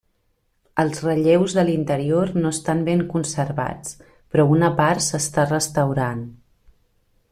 Els relleus de l'interior no estan ben conservats, però una part s'està restaurant.